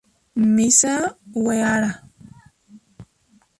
Misa Uehara